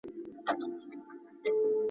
احمدشاه بابا په جګړه کې بریا خپله کړه.